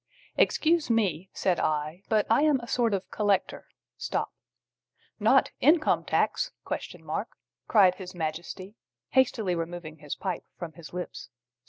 "Excuse me," said I, "but I am a sort of collector." "Not Income tax?" cried His Majesty, hastily removing his pipe from his lips.